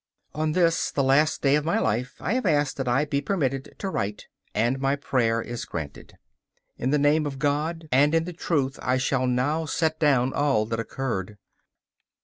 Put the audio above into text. On this the last day of my life I have asked that I be permitted to write, and my prayer is granted. In the name of God and in the truth I shall now set down all that occurred.